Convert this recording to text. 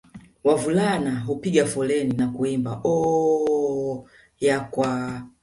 Wavulana hupiga foleni na kuimba Oooooh yakwa